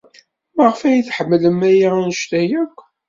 Maɣef ay tḥemmlem aya anect-a akk?